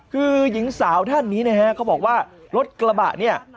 คือหญิงสาวท่านนี้นะฮะเขาบอกว่ารถกระบะเนี่ย